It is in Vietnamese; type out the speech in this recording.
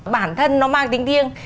bản thân nó mang tính thiêng